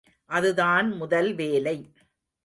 அது தான் முதல் வேலை.